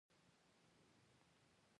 له معاصر ژوندانه سره نه شلېدونکي اړیکي لري.